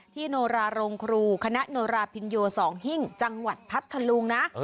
โนราโรงครูคณะโนราพินโย๒หิ้งจังหวัดพัทธลุงนะ